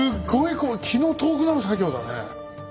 こう気の遠くなる作業だね。